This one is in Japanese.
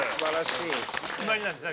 決まりなんですか？